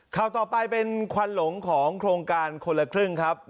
ข่าวต่อไปเป็นควันหลงของโครงการคนละครึ่งครับ